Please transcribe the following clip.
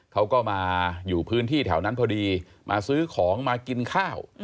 เขาก็มาอยู่พื้นที่แถวนั้นพอดีมาซื้อของมากินข้าว